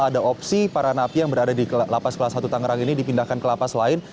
ada opsi para napi yang berada di lapas kelas satu tangerang ini dipindahkan ke lapas lain